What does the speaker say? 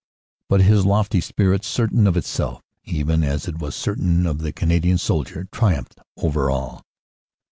But his lofty spirit, certain of itself even as it was certain of the Canadian soldier, triumphed over all.